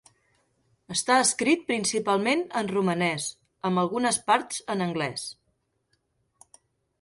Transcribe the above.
Està escrit principalment en romanès, amb algunes parts en anglès.